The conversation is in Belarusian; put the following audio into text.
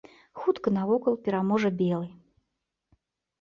Хутка навокал пераможа белы.